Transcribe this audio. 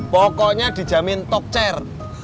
pokoknya dijamin tokcer